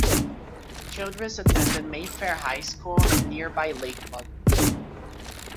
Childress attended Mayfair High School in nearby Lakewood.